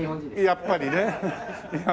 やっぱりね。